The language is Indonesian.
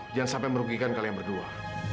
jangan sampai merugikan kalian berdua